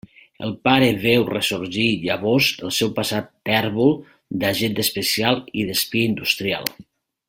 El pare veu ressorgir llavors el seu passat tèrbol d'agent especial i d'espia industrial.